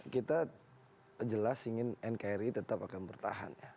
kita jelas ingin nkri tetap akan bertahan